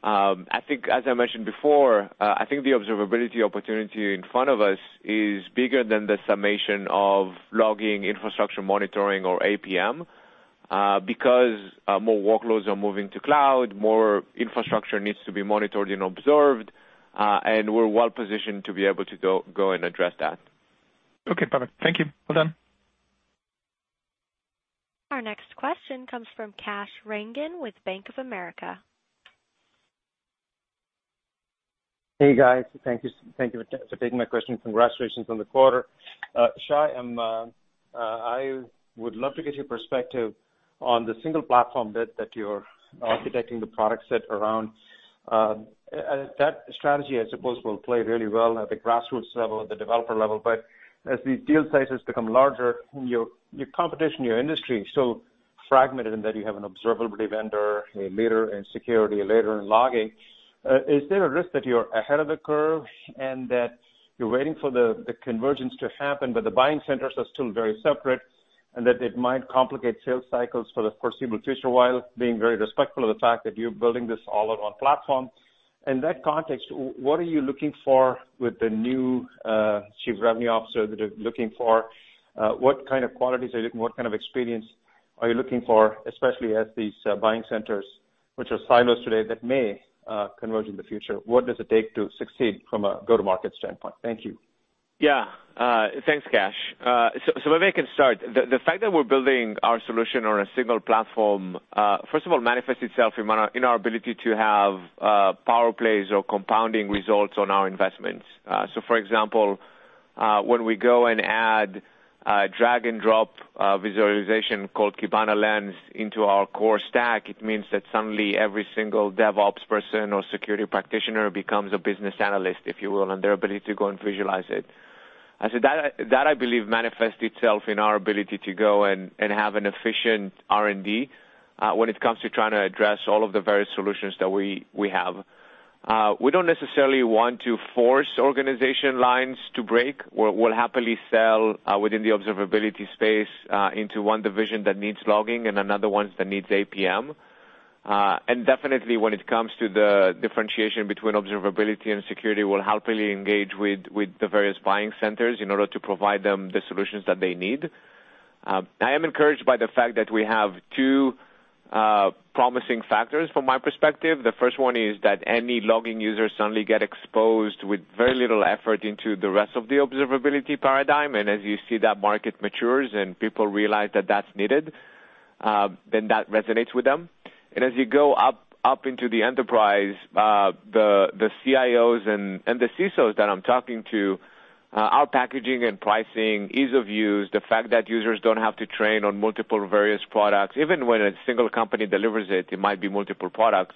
C: As I mentioned before, I think the observability opportunity in front of us is bigger than the summation of logging, infrastructure monitoring, or APM, because more workloads are moving to cloud, more infrastructure needs to be monitored and observed, and we're well positioned to be able to go and address that.
H: Okay. Perfect. Thank you. Well done.
A: Our next question comes from Kash Rangan with Bank of America.
I: Hey, guys. Thank you for taking my question. Congratulations on the quarter. Shay, I would love to get your perspective on the single platform that you're architecting the product set around. That strategy, I suppose, will play really well at the grassroots level, at the developer level. As the deal sizes become larger, your competition, your industry is so fragmented in that you have an observability vendor, a leader in security, a leader in logging. Is there a risk that you're ahead of the curve and that you're waiting for the convergence to happen. But the buying centers are still very separate, and that it might complicate sales cycles for the foreseeable future, while being very respectful of the fact that you're building this all on platform? In that context, what are you looking for with the new chief revenue officer that you're looking for? What kind of experience are you looking for, especially as these buying centers, which are silos today, that may converge in the future? What does it take to succeed from a go-to-market standpoint? Thank you.
C: Yeah. Thanks, Kash. Maybe I can start. The fact that we're building our solution on a single platform, first of all, manifests itself in our ability to have power plays or compounding results on our investments. For example, when we go and add a drag and drop visualization called Kibana Lens into our core stack, it means that suddenly every single DevOps person or security practitioner becomes a business analyst, if you will, on their ability to go and visualize it. That, I believe, manifests itself in our ability to go and have an efficient R&D when it comes to trying to address all of the various solutions that we have. We don't necessarily want to force organization lines to break. We'll happily sell within the observability space into one division that needs logging and another one that needs APM. Definitely, when it comes to the differentiation between observability and security, we'll happily engage with the various buying centers in order to provide them the solutions that they need. I am encouraged by the fact that we have two promising factors from my perspective. The first one is that any logging users suddenly get exposed with very little effort into the rest of the observability paradigm. As you see that market matures and people realize that that's needed, then that resonates with them. As you go up into the enterprise, the CIOs and the CISOs that I'm talking to, our packaging and pricing, ease of use, the fact that users don't have to train on multiple various products, even when a single company delivers it might be multiple products,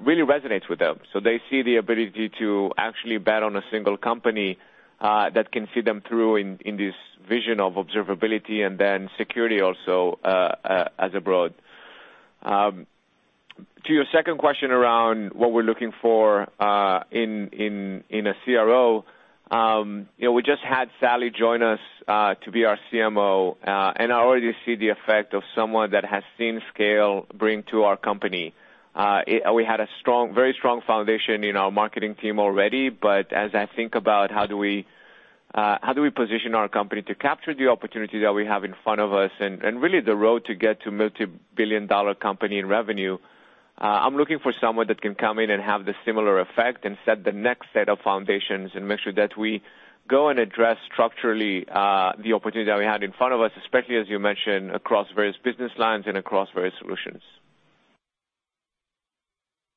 C: really resonates with them. They see the ability to actually bet on a single company that can see them through in this vision of observability and then security also as a broad. To your second question around what we're looking for in a CRO. We just had Sally join us to be our CMO. I already see the effect of someone that has seen scale bring to our company. We had a very strong foundation in our marketing team already. As I think about how do we position our company to capture the opportunity that we have in front of us and really the road to get to multi-billion dollar company in revenue, I'm looking for someone that can come in and have the similar effect and set the next set of foundations and make sure that we go and address structurally. The opportunity that we have in front of us, especially as you mentioned, across various business lines and across various solutions.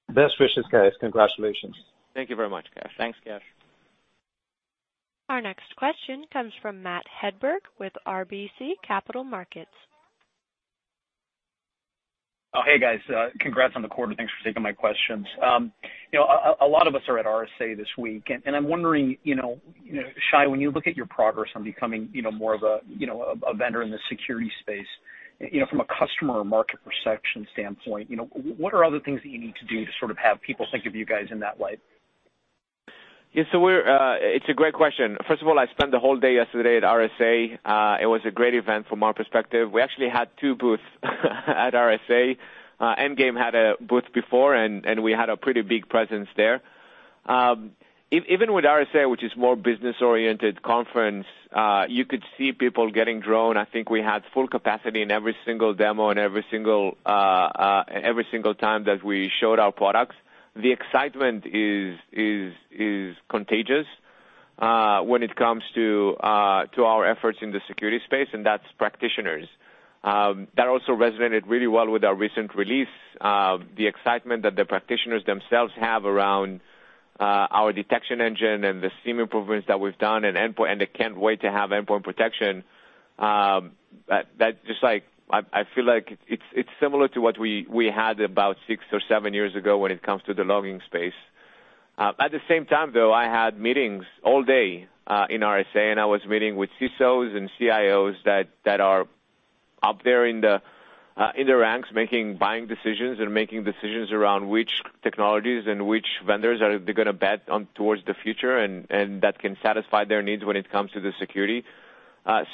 I: Best wishes, guys. Congratulations.
D: Thank you very much, Kash.
C: Thanks, Kash.
A: Our next question comes from Matt Hedberg with RBC Capital Markets.
J: Hey, guys. Congrats on the quarter, thanks for taking my questions. A lot of us are at RSA this week, I'm wondering, Shay, when you look at your progress on becoming more of a vendor in the security space, from a customer or market perception standpoint, what are other things that you need to do to sort of have people think of you guys in that light?
C: Yeah, it's a great question. First of all, I spent the whole day yesterday at RSA. It was a great event from our perspective. We actually had two booths at RSA. Endgame had a booth before, and we had a pretty big presence there. Even with RSA, which is more business-oriented conference, you could see people getting drawn. I think we had full capacity in every single demo and every single time that we showed our products. The excitement is contagious when it comes to our efforts in the security space, and that's practitioners. That also resonated really well with our recent release. The excitement that the practitioners themselves have around our detection engine and the SIEM improvements that we've done and they can't wait to have endpoint protection. I feel like it's similar to what we had about six or seven years ago when it comes to the logging space. At the same time, though, I had meetings all day in RSA, and I was meeting with CISOs and CIOs that are up there in the ranks, making buying decisions and making decisions around which technologies and which vendors they're going to bet on towards the future and that can satisfy their needs when it comes to the security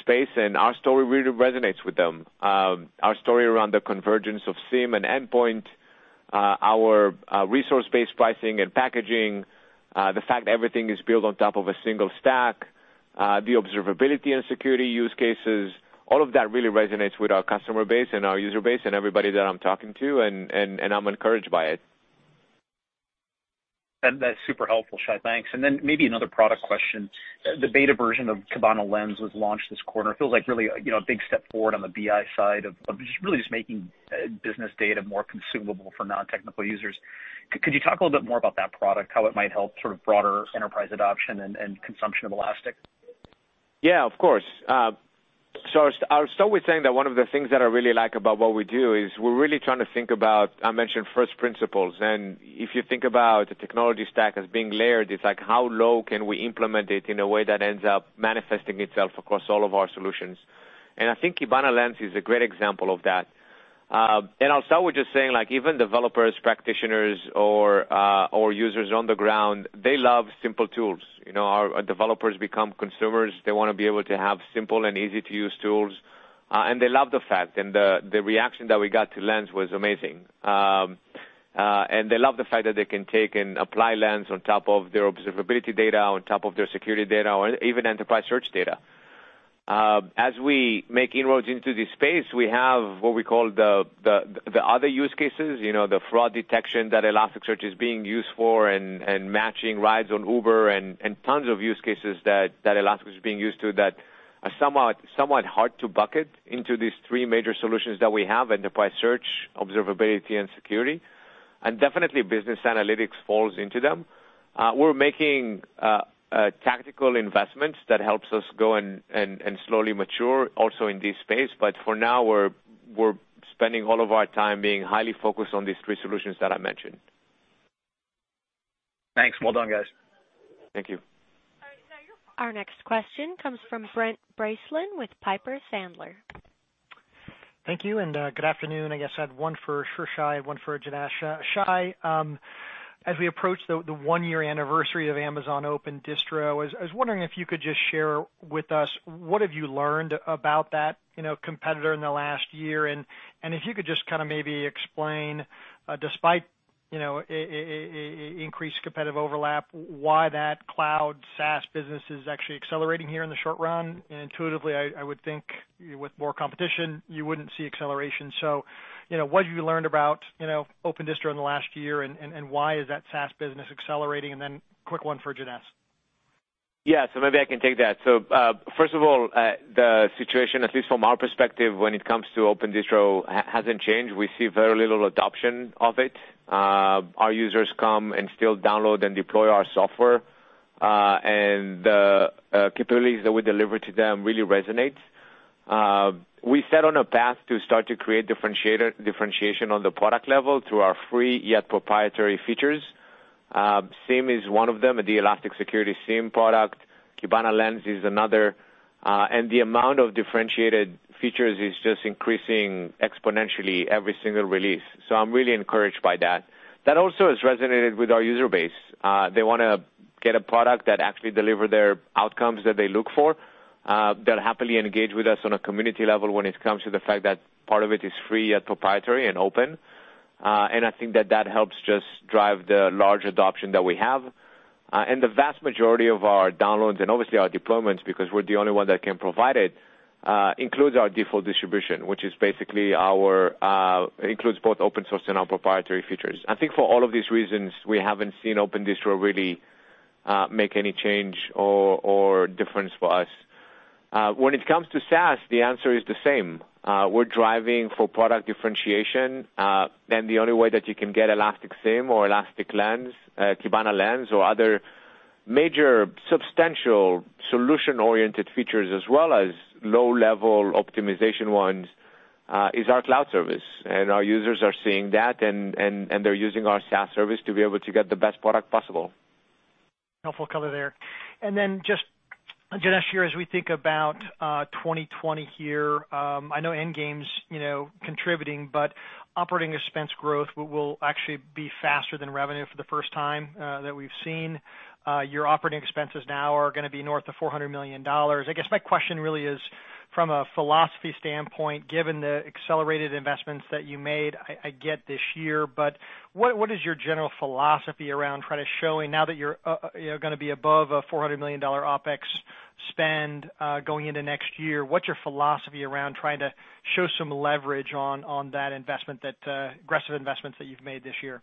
C: space. Our story really resonates with them. Our story around the convergence of SIEM and endpoint, our resource-based pricing and packaging, the fact everything is built on top of a single stack, the observability and security use cases, all of that really resonates with our customer base and our user base and everybody that I'm talking to, and I'm encouraged by it.
J: That's super helpful, Shay. Thanks. Maybe another product question. The beta version of Kibana Lens was launched this quarter. It feels like really a big step forward on the BI side of really just making business data more consumable for non-technical users. Could you talk a little bit more about that product, how it might help sort of broader enterprise adoption and consumption of Elastic?
C: Yeah, of course. I'll start with saying that one of the things that I really like about what we do is we're really trying to think about, I mentioned first principles. If you think about the technology stack as being layered, it's like how low can we implement it in a way that ends up manifesting itself across all of our solutions? I think Kibana Lens is a great example of that. I'll start with just saying, like even developers, practitioners, or users on the ground, they love simple tools. Our developers become consumers. They want to be able to have simple and easy-to-use tools, and they love the fact. The reaction that we got to Lens was amazing. They love the fact that they can take and apply Lens on top of their observability data, on top of their security data, or even enterprise search data. As we make inroads into this space, we have what we call the other use cases, the fraud detection that Elasticsearch is being used for and matching rides on Uber and tons of use cases that Elastic is being used to that are somewhat hard to bucket into these three major solutions that we have, enterprise search, observability, and security. Definitely, business analytics falls into them. We're making tactical investments that helps us go and slowly mature also in this space. For now, we're spending all of our time being highly focused on these three solutions that I mentioned.
J: Thanks. Well done, guys.
C: Thank you.
A: Our next question comes from Brent Bracelin with Piper Sandler.
K: Thank you, good afternoon. I guess I had one for Shay, one for Janesh. Shay, as we approach the one-year anniversary of Amazon Open Distro, I was wondering if you could just share with us what have you learned about that competitor in the last year, and if you could just kind of maybe explain, despite increased competitive overlap, why that cloud SaaS business is actually accelerating here in the short run. Intuitively, I would think with more competition, you wouldn't see acceleration. What have you learned about Open Distro in the last year, and why is that SaaS business accelerating? A quick one for Janesh.
C: Yeah. Maybe I can take that. First of all, the situation, at least from our perspective when it comes to Open Distro, hasn't changed. We see very little adoption of it. Our users come and still download and deploy our software, and the capabilities that we deliver to them really resonates. We set on a path to start to create differentiation on the product level through our free yet proprietary features. SIEM is one of them, the Elastic Security SIEM product. Kibana Lens is another. The amount of differentiated features is just increasing exponentially every single release. I'm really encouraged by that. That also has resonated with our user base. They want to get a product that actually deliver their outcomes that they look for, that happily engage with us on a community level when it comes to the fact that part of it is free, yet proprietary and open. I think that that helps just drive the large adoption that we have. The vast majority of our downloads, and obviously our deployments, because we're the only one that can provide it, includes our default distribution, which includes both open source and our proprietary features. I think for all of these reasons, we haven't seen Open Distro really make any change or difference for us. When it comes to SaaS, the answer is the same. We're driving for product differentiation, and the only way that you can get Elastic SIEM or Elastic Lens, Kibana Lens, or other major substantial solution-oriented features as well as low-level optimization ones, is our cloud service. Our users are seeing that, and they're using our SaaS service to be able to get the best product possible.
K: Helpful color there. Just, Janesh, here as we think about 2020 here, I know Endgame's contributing, but operating expense growth will actually be faster than revenue for the first time that we've seen. Your operating expenses now are going to be north of $400 million. I guess my question really is from a philosophy standpoint, given the accelerated investments that you made, I get this year, but what is your general philosophy around trying to showing now that you're going to be above a $400 million OpEx spend going into next year. What's your philosophy around trying to show some leverage on that aggressive investments that you've made this year?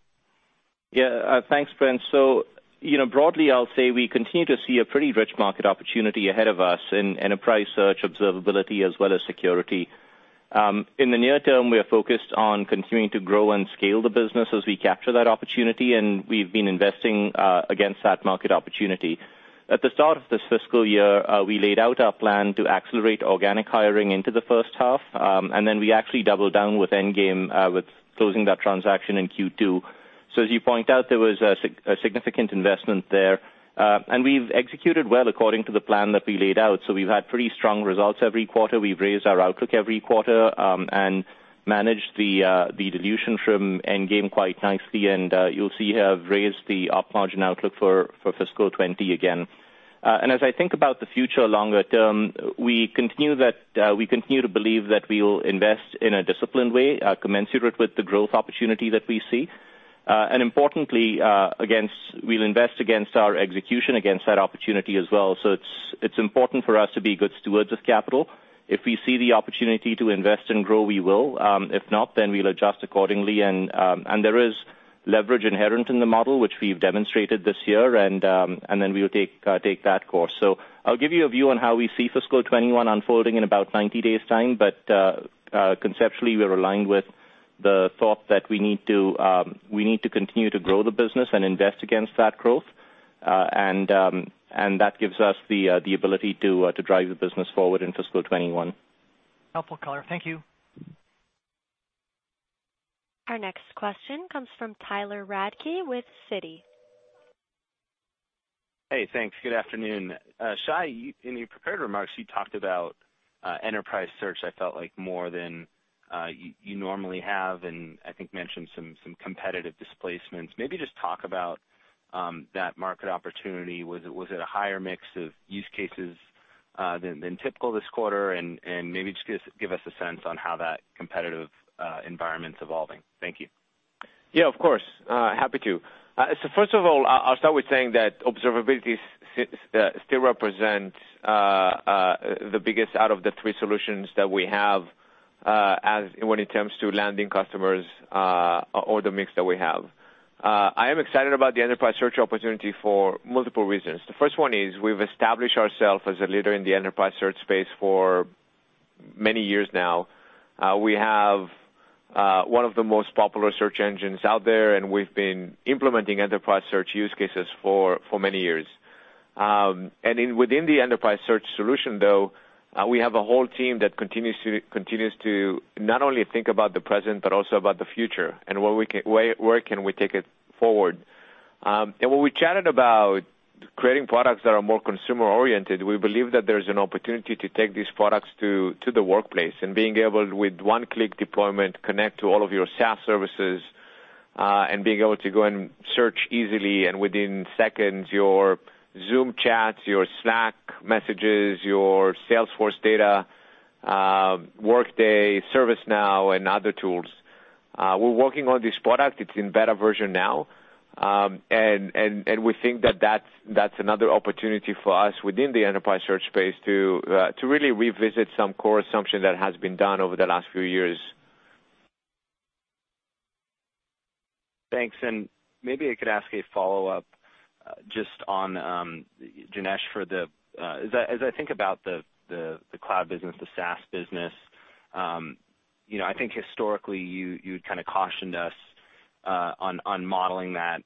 D: Yeah. Thanks, Brent. Broadly, I'll say we continue to see a pretty rich market opportunity ahead of us in enterprise search observability as well as security. In the near term, we are focused on continuing to grow and scale the business as we capture that opportunity, and we've been investing against that market opportunity. At the start of this fiscal year, we laid out our plan to accelerate organic hiring into the first half, and then we actually doubled down with Endgame, with closing that transaction in Q2. As you point out, there was a significant investment there. We've executed well according to the plan that we laid out. We've had pretty strong results every quarter. We've raised our outlook every quarter, and managed the dilution from Endgame quite nicely. You'll see we have raised the op margin outlook for fiscal 2020 again. As I think about the future longer term, we continue to believe that we will invest in a disciplined way commensurate with the growth opportunity that we see. Importantly, we'll invest against our execution against that opportunity as well. It's important for us to be good stewards of capital. If we see the opportunity to invest and grow, we will. If not, then we'll adjust accordingly. There is leverage inherent in the model, which we've demonstrated this year, and then we'll take that course. I'll give you a view on how we see fiscal 2021 unfolding in about 90 days' time. Conceptually, we're aligned with the thought that we need to continue to grow the business and invest against that growth. That gives us the ability to drive the business forward in fiscal 2021.
K: Helpful color. Thank you.
A: Our next question comes from Tyler Radke with Citi.
L: Hey, thanks. Good afternoon. Shay, in your prepared remarks, you talked about enterprise search, I felt like more than you normally have, and I think mentioned some competitive displacements. Maybe just talk about that market opportunity. Was it a higher mix of use cases than typical this quarter? And maybe just give us a sense on how that competitive environment's evolving. Thank you.
C: Yeah, of course. Happy to. First of all, I'll start with saying that observability still represents the biggest out of the three solutions that we have when it comes to landing customers or the mix that we have. I am excited about the enterprise search opportunity for multiple reasons. The first one is we've established ourself as a leader in the enterprise search space for many years now. We have one of the most popular search engines out there, and we've been implementing enterprise search use cases for many years. Within the enterprise search solution though, we have a whole team that continues to not only think about the present but also about the future, and where can we take it forward. When we chatted about creating products that are more consumer-oriented, we believe that there's an opportunity to take these products to the workplace, and being able, with one-click deployment, connect to all of your SaaS services, and being able to go and search easily and within seconds your Zoom chats, your Slack messages, your Salesforce data, Workday, ServiceNow, and other tools. We're working on this product. It's in beta version now. We think that that's another opportunity for us within the enterprise search space to really revisit some core assumption that has been done over the last few years.
L: Thanks. Maybe I could ask a follow-up just on, Janesh, as I think about the cloud business, the SaaS business. I think historically you'd cautioned us on modeling that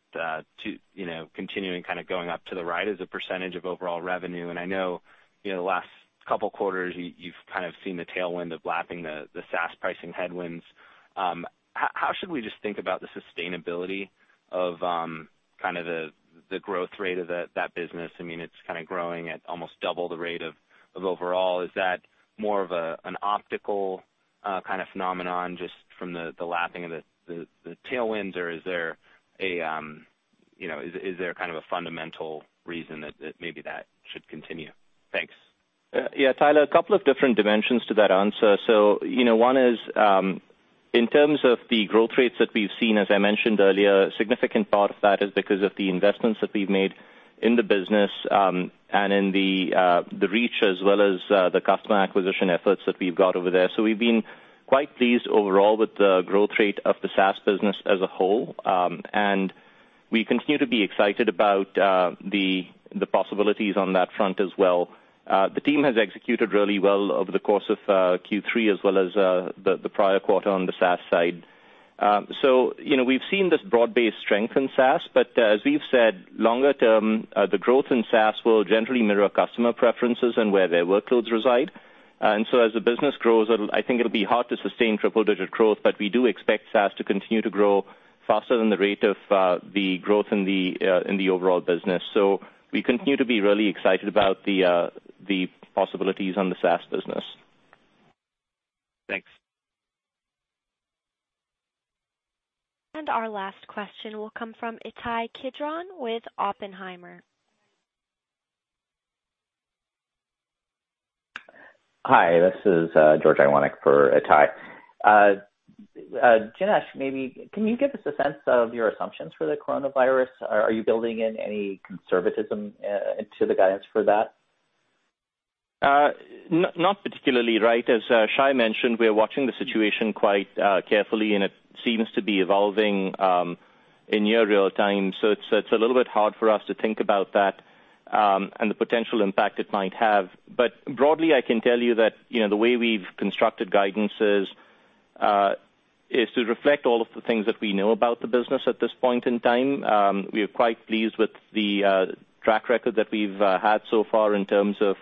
L: to continuing going up to the right as a percentage of overall revenue. I know the last couple of quarters, you've seen the tailwind of lapping the SaaS pricing headwinds. How should we just think about the sustainability of the growth rate of that business? It's growing at almost double the rate of overall. Is that more of an optical phenomenon just from the lapping of the tailwinds, or is there a fundamental reason that maybe that should continue? Thanks.
D: Yeah. Tyler, a couple of different dimensions to that answer. One is, in terms of the growth rates that we've seen, as I mentioned earlier, a significant part of that is because of the investments that we've made in the business, and in the reach as well as the customer acquisition efforts that we've got over there. We continue to be excited about the possibilities on that front as well. The team has executed really well over the course of Q3 as well as the prior quarter on the SaaS side. We've seen this broad-based strength in SaaS. As we've said, longer term, the growth in SaaS will generally mirror customer preferences and where their workloads reside. As the business grows, I think it'll be hard to sustain triple-digit growth, but we do expect SaaS to continue to grow faster than the rate of the growth in the overall business. We continue to be really excited about the possibilities on the SaaS business.
L: Thanks.
A: Our last question will come from Ittai Kidron with Oppenheimer.
M: Hi, this is George Iwanyc for Ittai. Janesh, maybe can you give us a sense of your assumptions for the coronavirus? Are you building in any conservatism into the guidance for that?
D: Not particularly. As Shay mentioned, we are watching the situation quite carefully, and it seems to be evolving in near real time. It's a little bit hard for us to think about that, and the potential impact it might have. Broadly, I can tell you that the way we've constructed guidance is to reflect all of the things that we know about the business at this point in time. We are quite pleased with the track record that we've had so far in terms of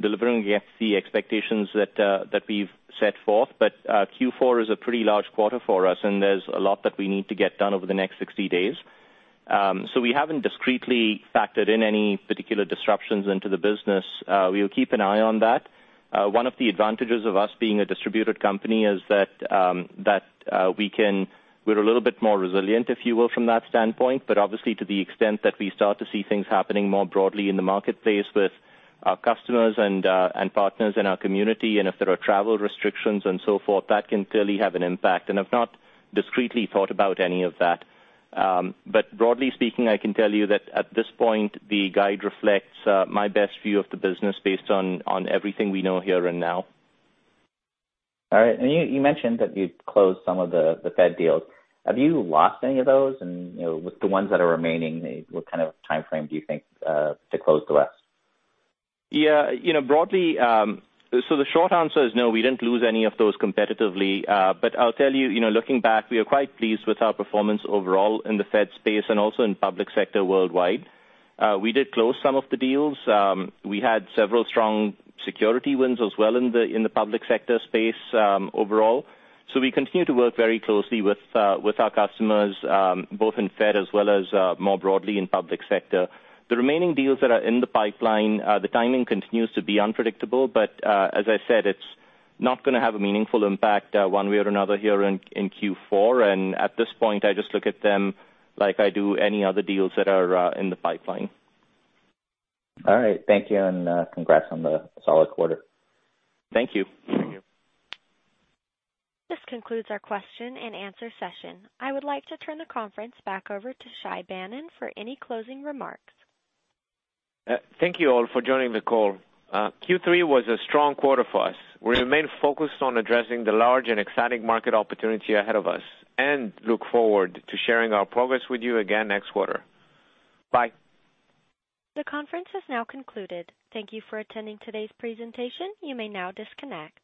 D: delivering against the expectations that we've set forth. Q4 is a pretty large quarter for us, and there's a lot that we need to get done over the next 60 days. We haven't discreetly factored in any particular disruptions into the business. We'll keep an eye on that. One of the advantages of us being a distributed company is that we're a little bit more resilient, if you will, from that standpoint. Obviously, to the extent that we start to see things happening more broadly in the marketplace with our customers and partners in our community, and if there are travel restrictions and so forth, that can clearly have an impact. I've not discreetly thought about any of that. Broadly speaking, I can tell you that at this point, the guide reflects my best view of the business based on everything we know here and now.
M: All right. You mentioned that you'd closed some of the Fed deals. Have you lost any of those? With the ones that are remaining, what kind of timeframe do you think to close the rest?
D: Broadly, the short answer is no, we didn't lose any of those competitively. I'll tell you, looking back, we are quite pleased with our performance overall in the Fed space and also in public sector worldwide. We did close some of the deals. We had several strong security wins as well in the public sector space overall. We continue to work very closely with our customers, both in Fed as well as more broadly in public sector. The remaining deals that are in the pipeline, the timing continues to be unpredictable. As I said, it's not going to have a meaningful impact one way or another here in Q4. At this point, I just look at them like I do any other deals that are in the pipeline.
M: All right. Thank you, and congrats on the solid quarter.
D: Thank you.
M: Thank you.
A: This concludes our question-and-answer session. I would like to turn the conference back over to Shay Banon for any closing remarks.
C: Thank you all for joining the call. Q3 was a strong quarter for us. We remain focused on addressing the large and exciting market opportunity ahead of us, and look forward to sharing our progress with you again next quarter. Bye.
A: The conference has now concluded. Thank you for attending today's presentation. You may now disconnect.